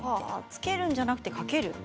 つけるんじゃなくかける。